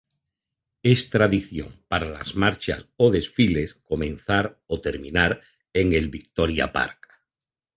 Es tradición para las marchas o desfiles comenzar o terminar en el "Victoria Park".